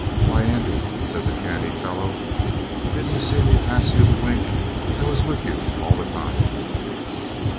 "Why, Andy," said the canny fellow, "didn't you see me pass you the wink? I was with you all the time!"